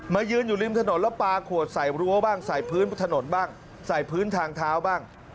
ยืนอยู่ริมถนนแล้วปลาขวดใส่รั้วบ้างใส่พื้นถนนบ้างใส่พื้นทางเท้าบ้าง